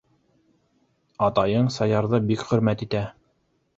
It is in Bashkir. Атайың Саярҙы бик хөрмәт итә.